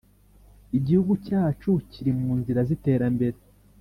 Igihugu cyacu kiri munzira z’iterambere